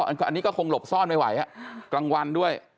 อันนี้ก็คงหลบซ่อนไม่ไหวกลางวันด้วย